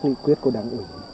nguyện quyết của đảng ủy